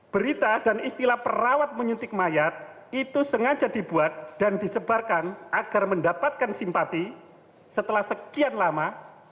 berita dan istilah perawat menyuntik mayat itu sengaja dibuat dan disebarkan agar mendapatkan simpati setelah sekian lama